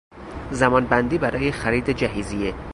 زمان بندی برای خرید جهیزیه